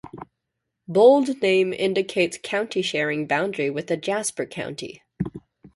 Bold Name indicates county sharing boundary with a Jasper County.